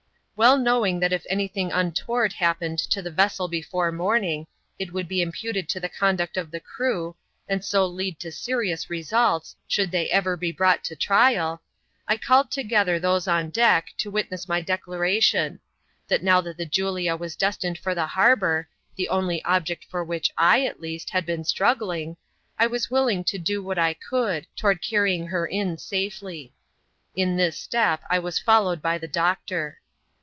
Well knowing that if any thing untoward happened to the vessel before morning, it wo\i\d \>^ im^xxt/^ to the oondnct CHAP. XXVI.] WE ENTER THE HARBOUR. 99 of the crew, and so lead to serious results, should they ever be brought to trial ; I called together those on deck, to witness my declaration: — that now that the Julia was destined for the harbour (the only object for which /, at least, had been strug gling), I was willing to do what I could, toward carrying her in safely. In this step I was followed by the doctor.